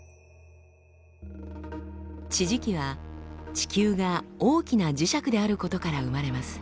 地磁気は地球が大きな磁石であることから生まれます。